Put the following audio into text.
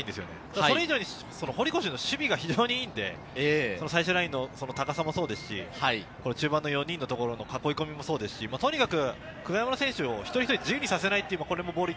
それ以上に堀越の守備が非常にいいので、最終ラインと高さもそうですし、中盤の４人のところの囲い込みもそうですし、久我山の選手を一人一人を自由にさせないと。